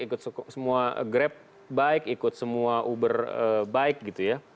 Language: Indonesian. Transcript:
ikut semua grab bike ikut semua uber bike gitu ya